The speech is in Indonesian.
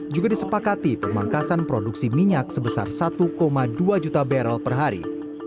juga disepakati pemangkasan produksi minyak sebesar satu dua juta barrel per hari